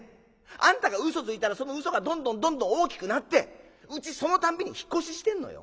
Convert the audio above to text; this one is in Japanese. あんたが嘘ついたらその嘘がどんどんどんどん大きくなってうちその度に引っ越ししてんのよ」。